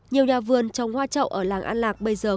nhiều nhà vườn trồng hoa trậu ở làng an lạc bây giờ